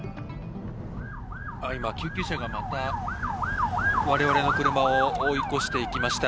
今、救急車がまた我々の車を追い越していきました。